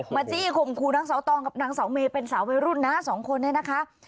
จี้ข่มขู่นางสาวตองกับนางเสาเมย์เป็นสาววัยรุ่นนะสองคนเนี่ยนะคะ